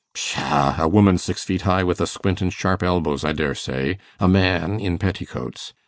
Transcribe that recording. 'Psha! a woman six feet high, with a squint and sharp elbows, I daresay a man in petticoats.